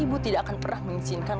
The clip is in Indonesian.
ibu tidak akan pernah mengizinkan